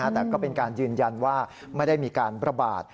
แต่ก็เป็นการยืนยันว่าไม่ได้มีการประบาด